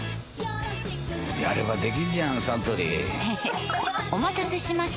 やればできんじゃんサントリーへへっお待たせしました！